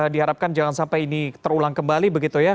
diharapkan jangan sampai ini terulang kembali begitu ya